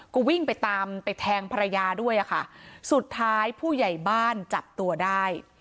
ก็วิ่งไปตามไปแทงภรรยาด้วยอะค่ะสุดท้ายผู้ใหญ่บ้านจับตัวได้